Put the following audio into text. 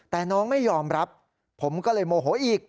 แต่น้องไม่ยอมรับผมก็เลยโมโหอีก